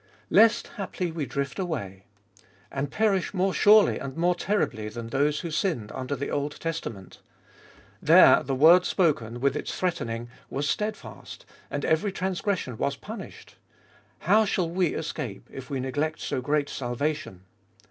Lest haply we drift away — and perish more surely and more terribly than those who sinned under the Old Testament. There the word spoken, with its threatening, was stedfast, and every transgression was punished. How shall we escape, if we neglect so great salvation